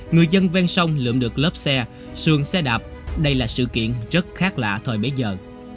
người dân ven sông lượm được lớp xe xuồng xe đạp đây là sự kiện rất khác lạ thời bấy giờ